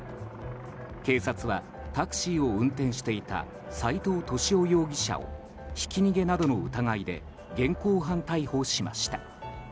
警察は、タクシーを運転していた斉藤敏夫容疑者をひき逃げなどの疑いで現行犯逮捕しました。